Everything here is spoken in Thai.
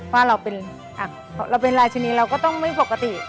เราเป็นลายชนีย์เราก็ต้องไม่ปกติ